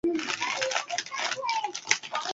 Poirier derrotó a Koch por decisión unánime.